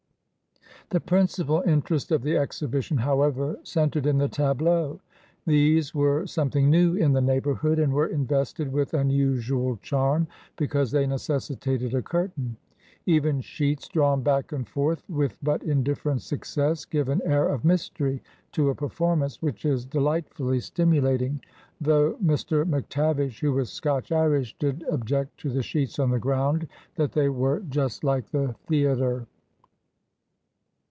The principal interest of the exhibition, however, cen tered in the tableaux. These were something new in the neighborhood, and were invested with unusual charm because they necessitated a curtain. Even sheets drawn back and forth with but indifferent success give an air of mystery to a performance which is delightfully stimu lating, though Mr. McTavish, who was Scotch Irish, did object to the sheets on the ground that they were just like the theayter.